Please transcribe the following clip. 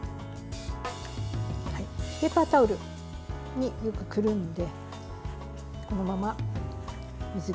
ペーパータオルによくくるんでこのまま水切りをしておきます。